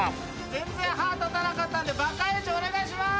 全然歯立たなかったんでバカイジお願いします！